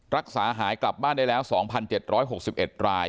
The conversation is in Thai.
รักษาหายกลับบ้านได้แล้ว๒๗๖๑ราย